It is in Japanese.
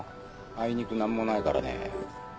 あいにく何もないからね。